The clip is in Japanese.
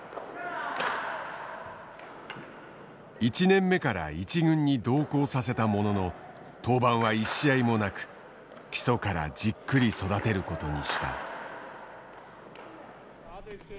１年目から１軍に同行させたものの登板は１試合もなく基礎からじっくり育てることにした。